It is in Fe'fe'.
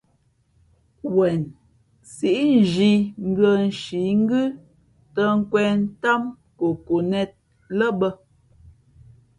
Wen síʼ nzhī mbʉ̄ᾱ nshǐ ngʉ́ tᾱ^nkwēn ntám kokonet lά bᾱ.